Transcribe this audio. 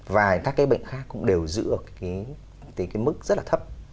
và các cái bệnh khác cũng đều giữ ở cái mức rất là thấp